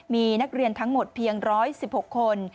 มีนักเรียนทั้งหมดเพียง๑๑๖คน